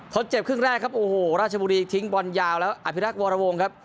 ทดเจ็บครึ่งแรกครับโอ้โหราชบุรีทิ้งบอลยาวแล้วอภิรักษ์วรวงครับ